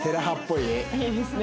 いいですね。